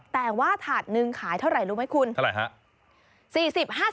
แต่ว่าถาดหนึ่งขายเท่าไหร่รู้ไหมคุณเท่าไหร่ฮะ